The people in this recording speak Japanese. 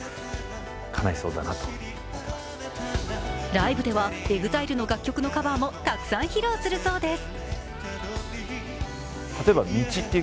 ライブではＥＸＩＬＥの楽曲のカバーもたくさん披露するそうです。